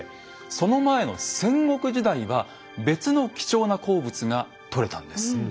その前の戦国時代は別の貴重な鉱物が採れたんです。